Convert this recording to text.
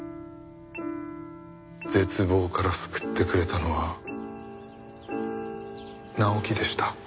絶望から救ってくれたのは直樹でした。